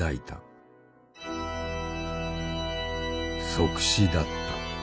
即死だった。